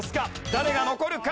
誰が残るか？